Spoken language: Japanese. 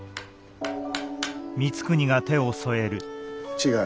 違う。